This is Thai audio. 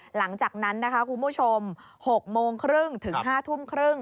หลังจากนั้นนะคะคุณผู้ชม๖โมงครึ่งถึง๕ทุ่มครึ่ง